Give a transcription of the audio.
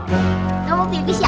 nggak mau pipis ya